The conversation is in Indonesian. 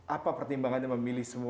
apa pertimbangannya memilih semua